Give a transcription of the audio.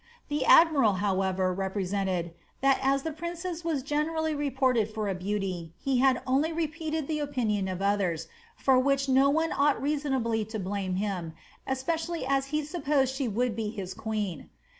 The admiral, however, repre sented, ^ that as the princess was generally reported for^a beauty, he had only repeated the opinions of others, for which no one ought reasonably to blame him, especially as he supposed she would be his queen."